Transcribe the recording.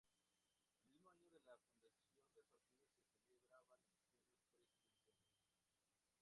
El mismo año de la fundación del partido se celebraban elecciones presidenciales.